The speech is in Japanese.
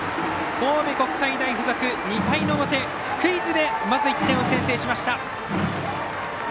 神戸国際大付属、２回の表スクイズでまず１点を先制しました。